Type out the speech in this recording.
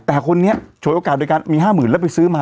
แต่คนนี้โฉยโอกาสโดยการมีห้าหมื่นแล้วไปซื้อมา